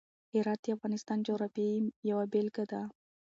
هرات د افغانستان د جغرافیې یوه بېلګه ده.